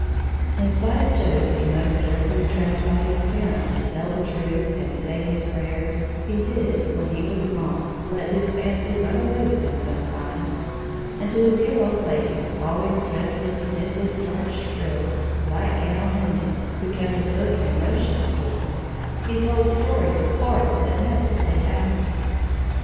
In spite of Joe's being most carefully trained by his parents to tell the truth and say his prayers, he did, when he was small, let his fancy run away with him sometimes, and to a dear old lady, always dressed in stiffly starched frills, black gown and mitts, who kept a book and notion store, he told stories of horrors that never really happened.